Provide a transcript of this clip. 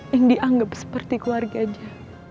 yang dianggap seperti keluarganya